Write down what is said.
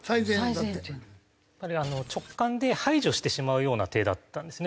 直感で排除してしまうような手だったんですね